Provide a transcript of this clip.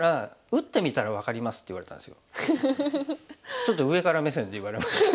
ちょっと上から目線で言われました。